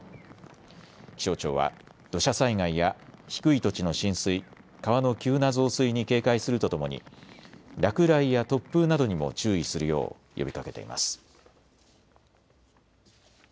気象庁は土砂災害や低い土地の浸水、川の急な増水に警戒するとともに落雷や突風などにも注意するよう呼びかけています。